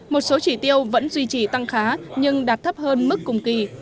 một số chỉ tiêu vẫn duy trì tăng khá nhưng đạt thấp hơn mức cùng kỳ